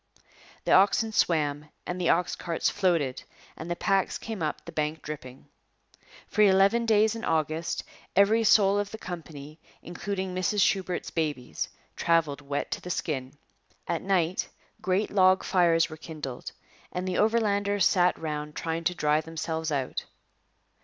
The oxen swam and the ox carts floated and the packs came up the bank dripping. For eleven days in August every soul of the company, including Mrs Shubert's babies, travelled wet to the skin. At night great log fires were kindled and the Overlanders sat round trying to dry themselves out.